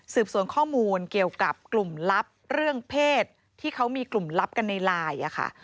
สวนข้อมูลเกี่ยวกับกลุ่มลับเรื่องเพศที่เขามีกลุ่มลับกันในไลน์ค่ะ